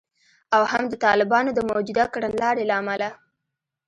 او هم د طالبانو د موجوده کړنلارې له امله